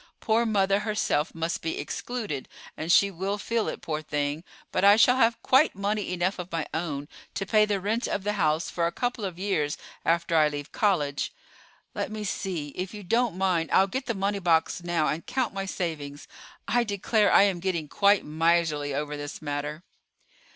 Poor mother herself must be excluded, and she will feel it, poor thing; but I shall have quite money enough of my own to pay the rent of the house for a couple of years after I leave college. Let me see; if you don't mind, I'll get the money box now, and count my savings. I declare I am getting quite miserly over this matter."